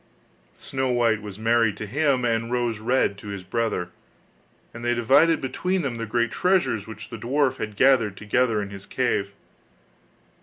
Snow white was married to him, and Rose red to his brother, and they divided between them the great treasure which the dwarf had gathered together in his cave.